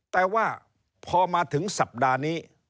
แต่ว่าพอมาถึงสัปดาห์นี้